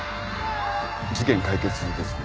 事件解決ですね。